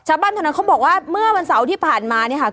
เท่านั้นเขาบอกว่าเมื่อวันเสาร์ที่ผ่านมาเนี่ยค่ะ